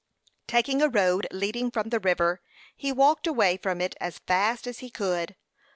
Taking a road leading from the river, he walked away from it as fast as he could.